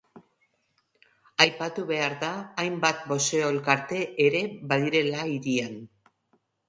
Aipatu behar da hainbat boxeo elkarte ere badirela hirian.